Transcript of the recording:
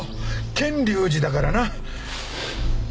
賢隆寺だからな。